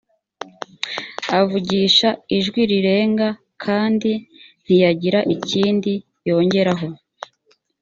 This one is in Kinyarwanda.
avugisha ijwi rirenga, kandi ntiyagira ikindi yongeraho;